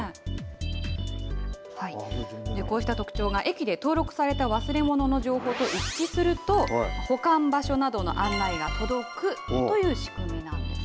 こうした特徴が、駅で登録された忘れ物の情報と一致すると、保管場所などの案内が届くという仕組みなんです。